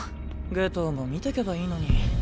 夏油も見てけばいいのに。